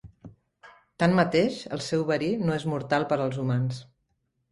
Tanmateix, el seu verí no és mortal per als humans.